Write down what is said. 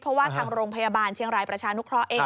เพราะว่าทางโรงพยาบาลเชียงรายประชานุเคราะห์เอง